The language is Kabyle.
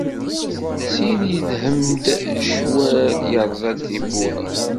Syin yedhem-d ccwal, yerẓa-d tiwwura.